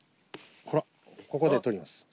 ほらここで取ります。